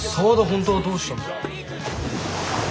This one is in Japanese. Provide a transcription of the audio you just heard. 本当はどうしたんだ？